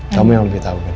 kamu yang lebih tau kan